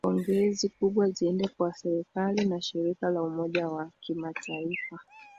Pongezi kubwa ziende kwa serikali na shirika la Umoja wa Kimataifa